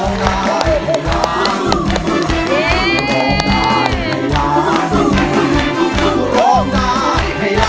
สุดท้าย